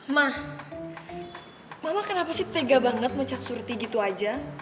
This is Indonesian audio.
mah mama kenapa sih tega banget mecat surti gitu aja